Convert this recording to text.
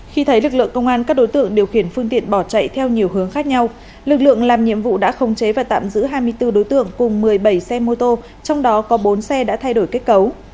khi thấy lực lượng công an các đối tượng điều khiển phương tiện bỏ chạy theo nhiều hướng khác nhau lực lượng làm nhiệm vụ đã khống chế và tạm giữ hai mươi bốn đối tượng cùng một mươi bảy xe mô tô trong đó có bốn xe đã thay đổi kết cấu